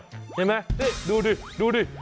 เห็นไหมนี่ดูดิดูดิ